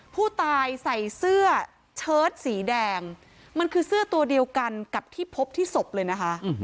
ผู้ตายใส่เสื้อเชิดสีแดงมันคือเสื้อตัวเดียวกันกับที่พบที่ศพเลยนะคะ